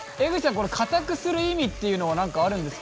これかたくする意味っていうのは何かあるんですか？